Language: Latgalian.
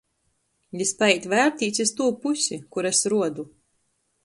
Jis paīt vērtīs iz tū pusi, kur es ruodu.